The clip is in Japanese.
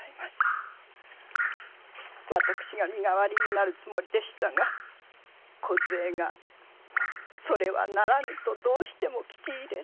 私が身代わりになるつもりでしたがこずえがそれはならぬとどうしても聞き入れず。